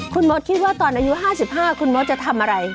คุณหมดคิดว่าตอนอายุห้าสิบห้าคุณหมดจะทำอะไร